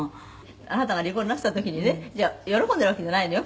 「あなたが離婚なすった時にね喜んでるわけじゃないのよ？